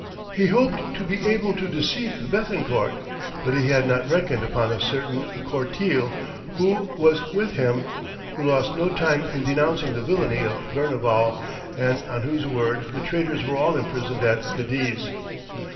He hoped to be able to deceive Béthencourt, but he had not reckoned upon a certain Courtille who was with him, who lost no time in denouncing the villany of Berneval, and on whose word the traitors were all imprisoned at Cadiz.